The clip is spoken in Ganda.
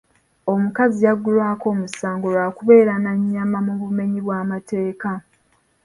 Omukazi yaggulwako omusango lwa kubeera na nnyama mu bumenyi bw'amateeka.